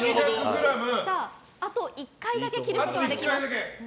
あと１回だけ切ることができます。